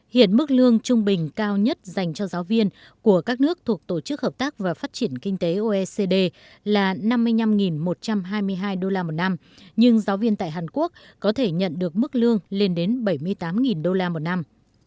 hiện mức lương trung bình cao nhất dành cho giáo viên của các nước thuộc tổ chức hợp tác và phát triển kinh tế oecd là năm mươi năm một trăm hai mươi hai đô la một năm nhưng giáo viên tại hàn quốc có thể nhận được mức lương lên đến bảy mươi tám đô la một năm